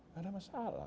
tidak ada masalah